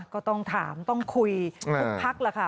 ก็ต้องถามต้องคุยทุกพักล่ะค่ะ